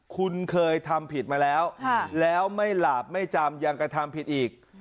คุณเคยทำผิดมาแล้วแล้วไม่หลาบไม่จำยังกระทำผิดอีก